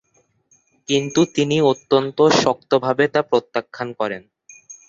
কিন্তু তিনি অত্যন্ত শক্তভাবে তা প্রত্যাখ্যান করেন।